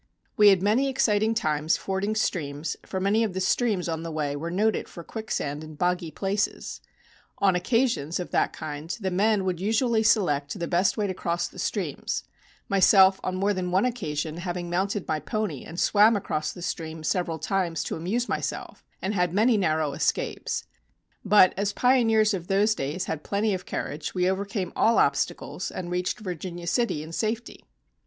We had many exciting times fording streams, for many of the streams on the way were noted for quicksand and boggy places. On occasions of that kind the men would usually select the best way to cross the streams, myself on more than one occasion having mounted my pony and swam across the stream several times merely to amuse myself and had many narrow escapes; but as pioneers of those days had plenty of courage we overcame all obstacles and reached Virginia City in safety.